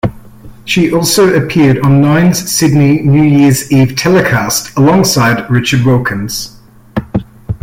She also appeared on Nine's Sydney New Year's Eve telecast alongside Richard Wilkins.